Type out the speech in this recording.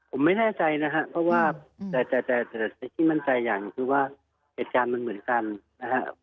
ผมไม่แน่ใจนะครับเพราะว่าแต่ที่มั่นใจอย่างหนึ่งคือว่าเหตุการณ์มันเหมือนกันนะครับ